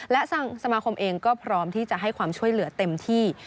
และทางสมาคมเองก็พร้อมที่จะให้ความช่วยเหลือเต็มที่